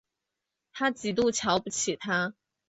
她极度瞧不起他